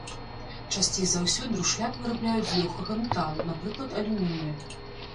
Часцей за ўсё друшляк вырабляюць з лёгкага металу, напрыклад, алюмінія.